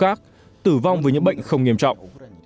phòng cấp cứu khác tử vong với những bệnh không nghiêm trọng